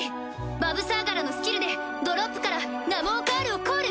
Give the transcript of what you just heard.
バヴサーガラのスキルでドロップからナモーカールをコール！